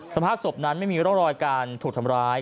สภาพศพนั้นไม่มีร่องรอยการถูกทำร้าย